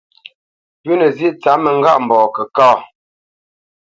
Pʉ̌nǝ zyéʼ tsǎp mǝŋgâʼmbɔɔ kǝ kâ.